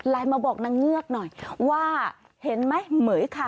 มาบอกนางเงือกหน่อยว่าเห็นไหมเหม๋ยค่ะ